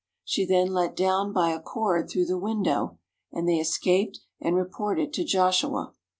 She then let them down by a cord through the window, and they escaped and reported to Joshua.